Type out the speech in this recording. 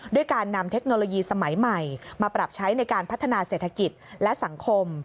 ด้วยการนำเทคโนโลยีสมัยใหม่มาปรับใช้ในการพัฒนาเศรษฐกิจและสังคม